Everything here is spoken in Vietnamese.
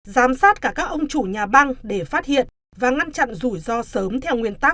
giám sát cả các ông chủ nhà băng để phát hiện và ngăn chặn rủi ro sớm theo nguyên tắc